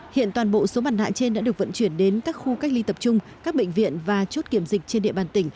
hiện toàn bộ số mặt nạ trên đã được vận chuyển đến các khu cách ly tập trung các bệnh viện và chốt kiểm dịch trên địa bàn tỉnh